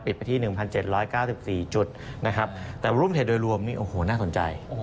ไปที่๑๗๙๔จุดนะครับแต่รุ่นเพจโดยรวมนี่โอ้โหน่าสนใจ